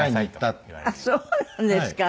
そうなんですか。